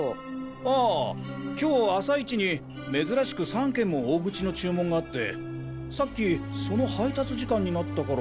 ああ今日朝イチに珍しく３件も大口の注文があってさっきその配達時間になったから。